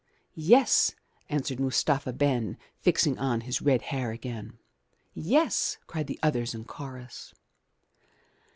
"Yes," answered Mustapha Ben, fixing on his red hair again. "Yes," cried the others in chorus.